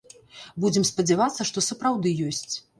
Будзем спадзявацца, што сапраўды ёсць.